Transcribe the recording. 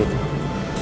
tidak ada apa apa